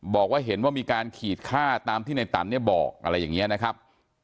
บอกว่าเห็นว่ามีการขีดค่าตามที่ในตันเนี่ยบอกอะไรอย่างนี้นะครับ